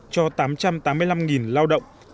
cho tám trăm tám mươi năm lao động